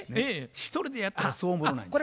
１人でやったらそうおもろないんです。